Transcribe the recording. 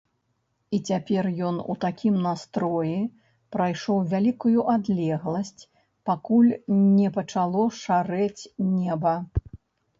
І цяпер ён у такім настроі прайшоў вялікую адлегласць, пакуль не пачало шарэць неба.